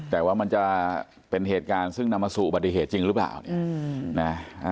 แต่ว่ามันจะเป็นเหตุการณ์ซึ่งนำมาสู่อุบัติเหตุจริงหรือเปล่าเนี่ยนะ